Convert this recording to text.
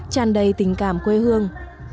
tràn đầy tình cảm quê hương